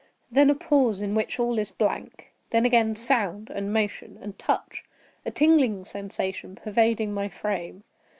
Then a pause in which all is blank. Then again sound, and motion, and touch—a tingling sensation pervading my frame.